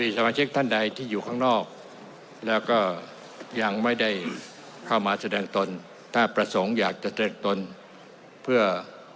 สมาชิกท่านใดที่อยู่ข้างนอกแล้วก็ยังไม่ได้เข้ามาแสดงตนถ้าประสงค์อยากจะเติกตนเพื่อ